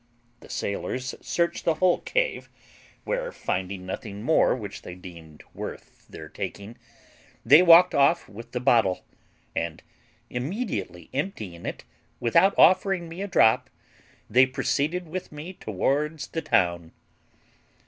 The sailors searched the whole cave, where finding nothing more which they deemed worth their taking, they walked off with the bottle, and, immediately emptying it without offering me a drop, they proceeded with me towards the town.